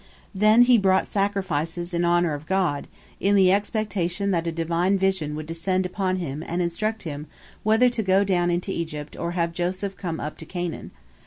" Then he brought sacrifices in honor of God, in the expectation that a Divine vision would descend upon him and instruct him whether to go down into Egypt or have Joseph come up to Canaan.